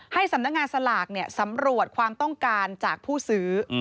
ให้สำนักงานสลากสำรวจความต้องการจากผู้ซื้อ